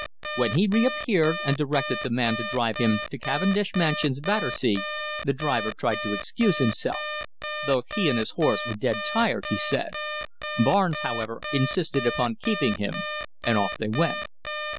When he reappeared and directed the man to drive him to Cavendish Mansions, Battersea, the driver tried to excuse himself. Both he and his horse were dead tired, he said. Barnes, however, insisted upon keeping him, and off they went.